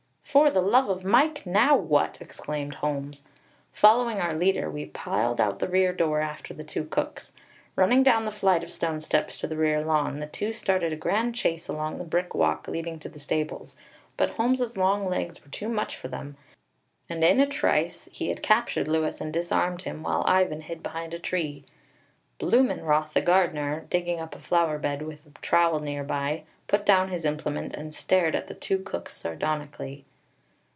"For the love of Mike, now what?" exclaimed Holmes. Following our leader we piled out the rear door after the two cooks. Running down the flight of stone steps to the rear lawn, the two started a grand chase along the brick walk leading to the stables; but Holmes's long legs were too much for them, and in a trice he had captured Louis and disarmed him, while Ivan hid behind a tree. Blumenroth, the gardener, digging up a flower bed with a trowel nearby, put down his implement, and stared at the two cooks sardonically.